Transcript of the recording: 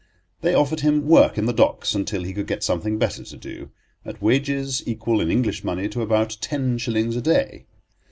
They offered him work in the docks—until he could get something better to do—at wages equal in English money to about ten shillings a day.